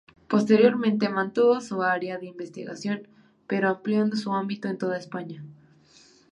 Posteriormente mantuvo su área de investigación pero ampliando su ámbito a toda España.